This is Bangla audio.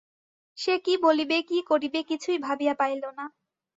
সে কী বলিবে, কী করিবে কিছুই ভাবিয়া পাইল না।